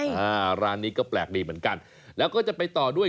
ชื่อร้านบอกอยู่แล้วว่าแหมสุดยอด